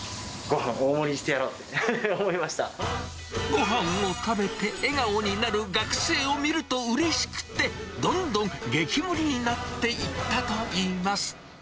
ごはんを食べて笑顔になる学生を見るとうれしくて、どんどん激盛りになっていったといいます。